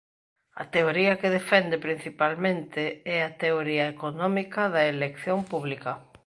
A teoría que defende principalmente é a teoría económica da elección pública.